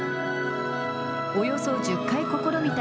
およそ１０回試みた